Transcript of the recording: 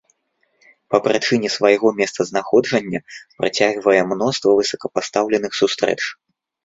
Па прычыне свайго месцазнаходжання прыцягвае мноства высокапастаўленых сустрэч.